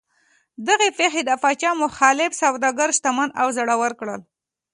دغې پېښې د پاچا مخالف سوداګر شتمن او زړور کړل.